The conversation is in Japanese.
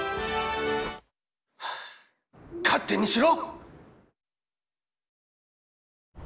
はあ勝手にしろ！